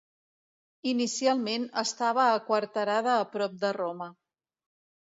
Inicialment estava aquarterada a prop de Roma.